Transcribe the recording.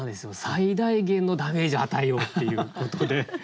最大限のダメージを与えようっていうことで。